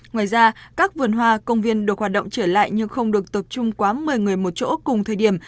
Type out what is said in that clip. ngoài ra các vườn hoa công viên được hoạt động trở lại nhưng không được tập trung quá một mươi người một chỗ cùng thời điểm